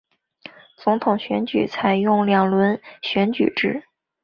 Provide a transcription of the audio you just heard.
总统选举采用两轮选举制。